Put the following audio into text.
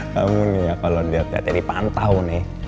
kamu nih ya kalau liat liat ini pantau nih